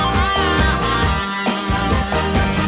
กลับไปก่อนไปไม่อย่างเยอะ